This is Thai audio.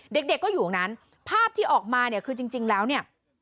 เด็กก็อยู่ตรงนั้นภาพที่ออกมาเนี่ยคือจริงแล้วเนี่ย